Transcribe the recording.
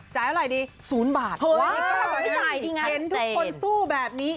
จ่ายอะไรดี๐บาทเห็นทุกคนสู้แบบนี้